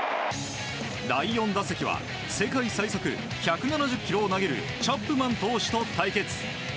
第４打席は世界最速１７０キロを投げるチャップマン投手と対決。